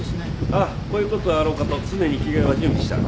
ああこういう事もあろうかと常に着替えは準備してある。